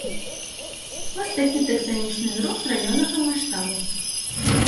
Вось такі тэктанічны зрух раённага маштабу.